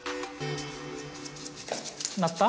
鳴った？